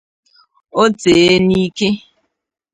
o tee n'ike